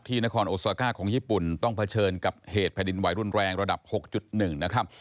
นครโอซาก้าของญี่ปุ่นต้องเผชิญกับเหตุแผ่นดินไหวรุนแรงระดับ๖๑นะครับ